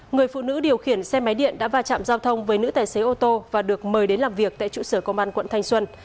người phụ nữ điều khiển xe máy điện đã va chạm giao thông với nữ tài xế ô tô và được mời đến làm việc tại trụ sở công an quận thanh xuân